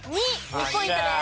２ポイントです。